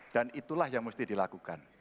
dan itulah yang mesti dilakukan